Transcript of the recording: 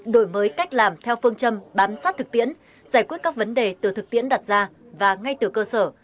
đổi mới cách làm theo phương châm bám sát thực tiễn giải quyết các vấn đề từ thực tiễn đặt ra và ngay từ cơ sở